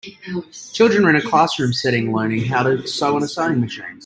Children are in a classroom setting learning how to sew on a sewing machine.